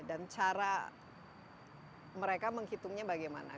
dan cara mereka menghitungnya bagaimana